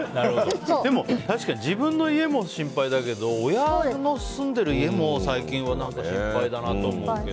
確かに自分の家も心配だけど親の住んでいる家も最近は心配だなと思うけど。